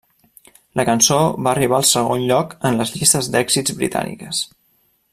La cançó va arribar al segon lloc en les llistes d'èxits britàniques.